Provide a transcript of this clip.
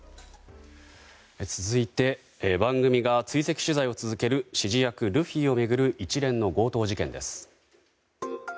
続いて番組が追跡取材を続ける指示役ルフィを巡る一連の強盗事件です。